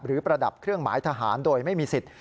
ประดับเครื่องหมายทหารโดยไม่มีสิทธิ์